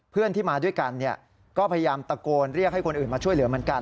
เพื่อนที่มาด้วยกันก็พยายามตะโกนเรียกให้คนอื่นมาช่วยเหลือเหมือนกัน